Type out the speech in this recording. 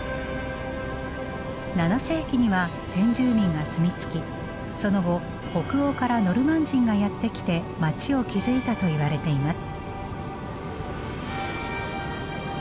７世紀には先住民が住み着きその後北欧からノルマン人がやって来て街を築いたといわれています。